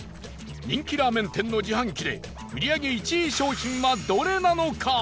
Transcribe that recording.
人気ラーメン店の自販機で売り上げ１位商品はどれなのか？